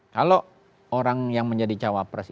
kalau orang yang menjadi cawapres